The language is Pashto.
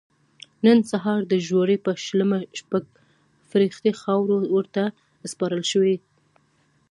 نن سهار د روژې په شلمه شپږ فرښتې خاورو ته وسپارل شوې.